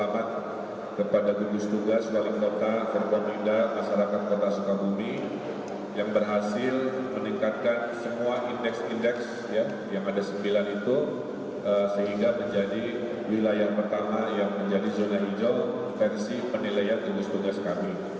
pemerintah kota sukabumi di jawa barat yang berhasil meningkatkan semua indeks indeks yang ada sembilan itu sehingga menjadi wilayah pertama yang menjadi zona hijau versi penilaian gugus tugas kami